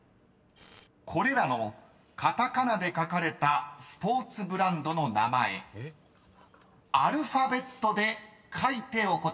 ［これらのカタカナで書かれたスポーツブランドの名前アルファベットで書いてお答えください］